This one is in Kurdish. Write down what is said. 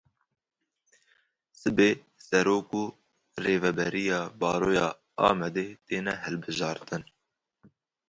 Sibê Serok û Rêveberiya Baroya Amedê têne hilbijartin.